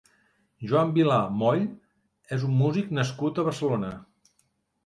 Joan Vilà Moll és un músic nascut a Barcelona.